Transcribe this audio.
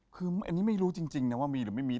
คืออันนี้ไม่รู้จริงนะว่ามีหรือไม่มี